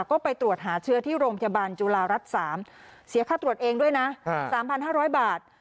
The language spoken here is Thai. ก็ไปตรวจหาเชื้อที่โรงพยาบาลจุฬารัฐ๓เสียค่าตรวจเองด้วยนะ๓๕๐๐บาท